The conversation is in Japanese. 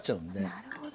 なるほど。